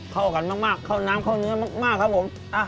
เข้ากันมากเข้าน้ำเข้าเนื้อมากครับผม